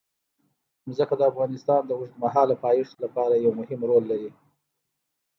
ځمکه د افغانستان د اوږدمهاله پایښت لپاره یو مهم رول لري.